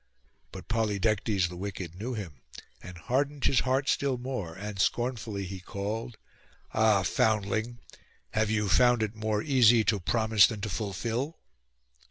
But Polydectes the wicked knew him, and hardened his heart still more; and scornfully he called— 'Ah, foundling! have you found it more easy to promise than to fulfil?